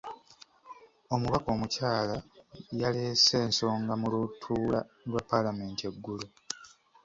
Omubaka omukyala yaleese ensonga mu lutuula lwa paalamenti eggulo.